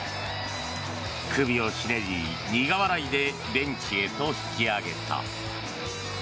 首をひねり、苦笑いでベンチへと引き上げた。